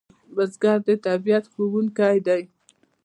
بزګر د طبیعت ښوونکی دی